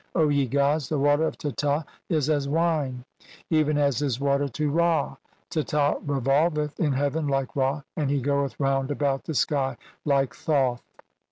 O "ye gods, the water of Teta. is as wine even as [is "water to] Ra, Teta revolveth in heaven like Ra, and "he goeth round about the sky like Thoth."